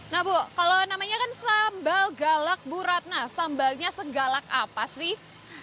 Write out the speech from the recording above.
nah bu kalau namanya kan sambal galak bu ratna sambalnya segalak apa sih